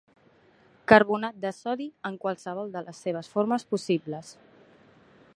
Carbonat de sodi en qualsevol de les seves formes possibles.